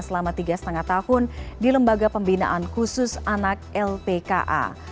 selama tiga lima tahun di lembaga pembinaan khusus anak lpka